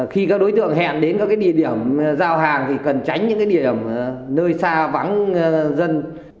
khi các đối tượng hẹn đến các địa điểm giao hàng thì cần tránh những điểm nơi xa vắng dân